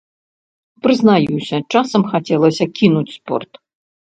Прызнаюся, часам хацелася кінуць спорт.